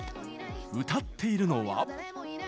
歌っているのは。